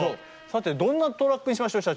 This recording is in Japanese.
さてどんなトラックにしましょう？